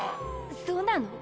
そうなの？